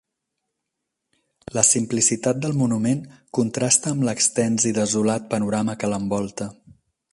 La simplicitat del monument contrasta amb l'extens i desolat panorama que l'envolta.